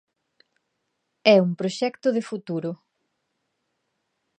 É un proxecto de futuro.